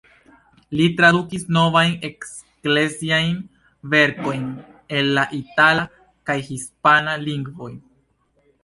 Li tradukis novajn ekleziajn verkojn el la itala kaj hispana lingvoj.